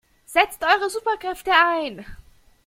Setzt eure Superkräfte ein!